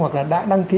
hoặc là đã đăng ký